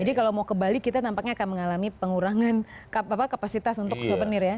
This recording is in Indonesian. jadi kalau mau ke bali kita tampaknya akan mengalami pengurangan kapasitas untuk souvenir ya